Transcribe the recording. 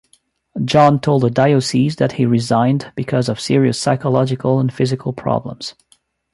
John told the diocese that he resigned because of "serious psychological and physical problems".